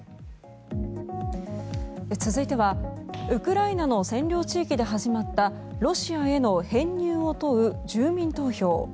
続いてはウクライナの占領地域で始まったロシアへの編入を問う住民投票。